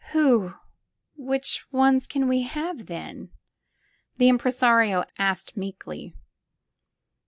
'*Who — ^which ones can we have, then?" the im presario asked meekly.